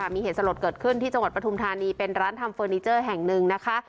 มีเหตุสลดเกิดขึ้นที่จังหวัดปฐุมธานีเป็นร้านทำเฟอร์นิเจอร์แห่งหนึ่งนะคะ